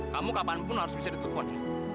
kamu kapanpun harus bisa ditelepon